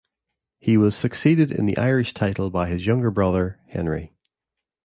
He was succeeded in the Irish title by his younger brother, Henry.